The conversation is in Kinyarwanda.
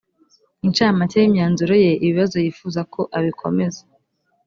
incamake y imyanzuro ye ibibazo yifuza ko abikomeza